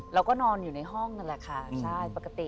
เราก็นอนอยู่ในห้องนั่นแหละค่ะปกติ